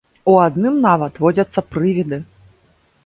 У адным нават водзяцца прывіды.